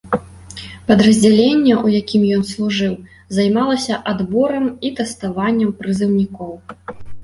Падраздзяленне, у якім ён служыў, займалася адборам і тэставаннем прызыўнікоў.